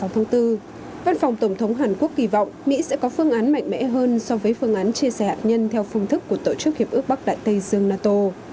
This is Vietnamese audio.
thông tư văn phòng tổng thống hàn quốc kỳ vọng mỹ sẽ có phương án mạnh mẽ hơn so với phương án chia sẻ hạt nhân theo phương thức của tổ chức hiệp ước bắc đại tây dương nato